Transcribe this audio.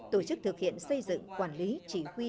tổ chức thực hiện xây dựng quản lý chỉ huy